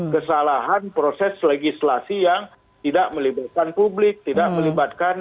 kesalahan proses legislasi yang tidak melibatkan publik tidak melibatkan